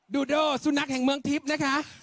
ดูโดสุนัขแห่งเมืองทิพย์นะคะ